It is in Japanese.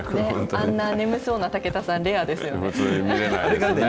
あんな眠そうな武田さん、レアですよね。